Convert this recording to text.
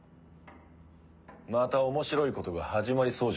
また面白いことが始まりそうじゃねえか。